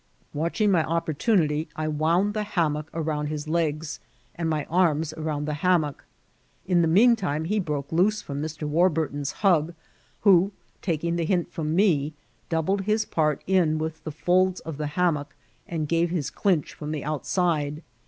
Watching my opportunity, I wound the faam* mock around his legs, and my arms around the ham mock. In the mean time he broke loose from Mr. War burton's hug, who, taking the hint from me, doubled his part in with the folds of the hamm#ck, and gave his cliqch from the outside.